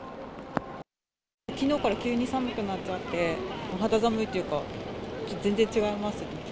きのうから急に寒くなっちゃって、肌寒いというか、全然違いますね。